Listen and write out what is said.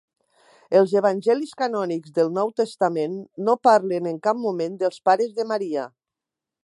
Els evangelis canònics del Nou Testament no parlen en cap moment dels pares de Maria.